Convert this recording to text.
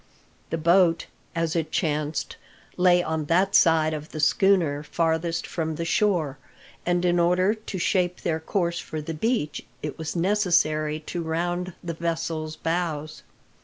The boat, as it chanced, lay on that side of the schooner farthest from the shore; and in order to shape their course for the beach it was necessary to round the vessel's bows.